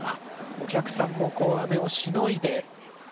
お客さんも雨をしのいで。